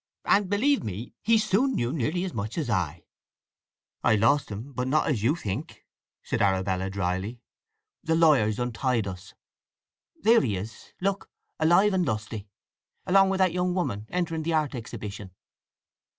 And believe me, he soon knew nearly as much as I." "I lost him; but not as you think," said Arabella dryly. "The lawyers untied us. There he is, look, alive and lusty; along with that young woman, entering the art exhibition."